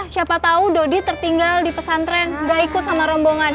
siapa tahu dodi tertinggal di pesantren gak ikut sama rombongan